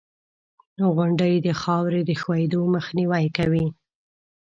• غونډۍ د خاورې د ښویېدو مخنیوی کوي.